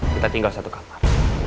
kita tinggal satu kamar